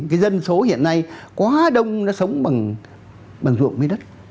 cái dân số hiện nay quá đông nó sống bằng ruộng với đất